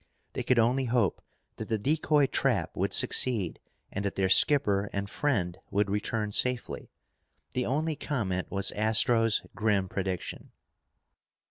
They could only hope that the decoy trap would succeed and that their skipper and friend would return safely. The only comment was Astro's grim prediction.